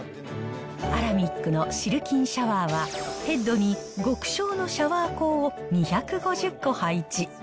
アラミックのシルキンシャワーは、ヘッドに極小のシャワー孔を２５０個配置。